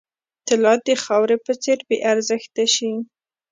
طلا د خاورې په څېر بې ارزښته شي.